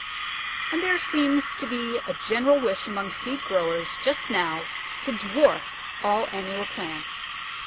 And there seems to be a general wish among seed growers just now to dwarf all annual plants.